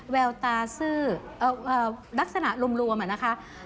แววตาซื่อลักษณะรวมนะคะ